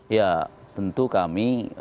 ya tentu kami